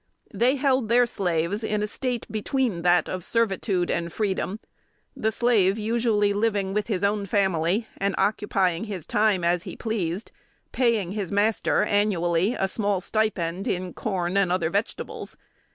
They held their slaves in a state between that of servitude and freedom; the slave usually living with his own family and occupying his time as he pleased, paying his master annually a small stipend in corn and other vegetables.